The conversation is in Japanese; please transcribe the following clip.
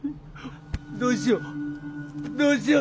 どうしよう！